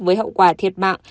với hậu quả thiệt mạng